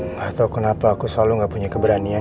nggak tau kenapa aku selalu nggak punya keberanian